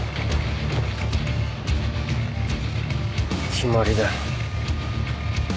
決まりだ。